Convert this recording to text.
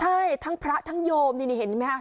ใช่ทั้งพระทั้งโยมนี่เห็นไหมคะ